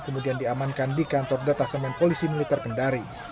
kemudian diamankan di kantor data semen polisi militer kendari